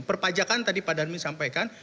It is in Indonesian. perpajakan tadi pak darmin sampaikan